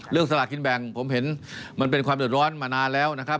สลากินแบ่งผมเห็นมันเป็นความเดือดร้อนมานานแล้วนะครับ